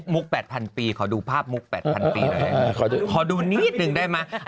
มุกแปดพันธุ์ปีขอดูภาพมุกแปดพันธุ์ปีขอดูนิดนึงได้ไหม